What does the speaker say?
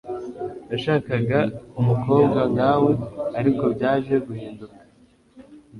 Nashakaga umukobwa nkawe ariko byaje guhinduka.